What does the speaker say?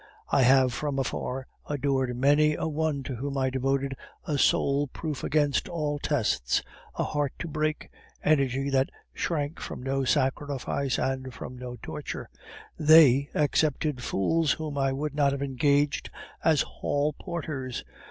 I have from afar adored many a one to whom I devoted a soul proof against all tests, a heart to break, energy that shrank from no sacrifice and from no torture; they accepted fools whom I would not have engaged as hall porters.